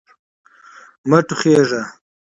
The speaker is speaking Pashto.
مه ټوخیژه